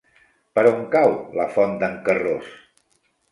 Per on cau la Font d'en Carròs?